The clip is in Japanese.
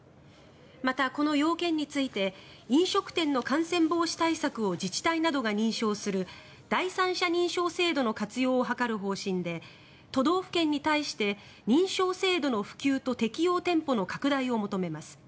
また、この要件について飲食店の感染防止対策を自治体などが認証する第三者認証制度を活用を図る方針で都道府県に対して認証制度の普及と適用店舗の拡大を求めます。